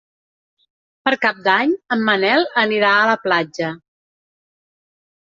Per Cap d'Any en Manel anirà a la platja.